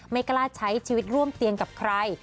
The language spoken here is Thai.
ไม่กล้าใช้ชีวิตร่วมเตียงกับใคร